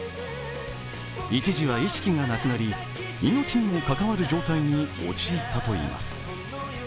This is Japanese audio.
一時は意識がなくなり、命にも関わる状態に陥ったといいます。